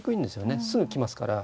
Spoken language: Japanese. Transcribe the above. すぐ来ますから。